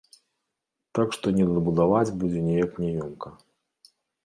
Так што недабудаваць будзе неяк няёмка.